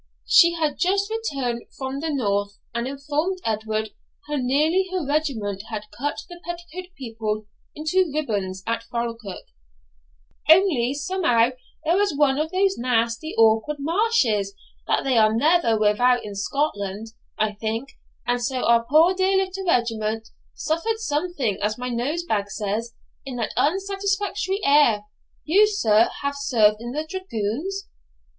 She had just returned from the north, and informed Edward how nearly her regiment had cut the petticoat people into ribands at Falkirk, 'only somehow there was one of those nasty, awkward marshes, that they are never without in Scotland, I think, and so our poor dear little regiment suffered something, as my Nosebag says, in that unsatisfactory affair. You, sir, have served in the dragoons?'